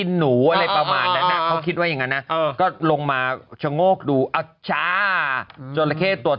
อ๋ออยู่ต้างม้าเฮ้าอยู่แล้วก็